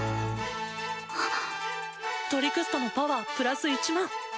トリクスタのパワープラス１００００。